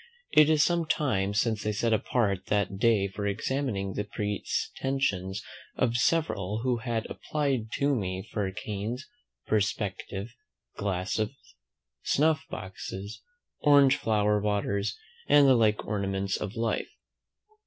It is some time since I set apart that day for examining the pretensions of several who had applied to me for canes, perspective glasses, snuff boxes, orange flower waters, and the like ornaments of life.